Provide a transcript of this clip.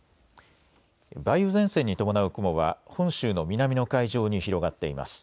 梅雨前線に伴う雲は本州の南の海上に広がっています。